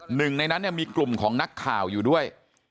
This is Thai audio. หนึ่งในนั้นเนี่ยมีกลุ่มของนักข่าวอยู่ด้วย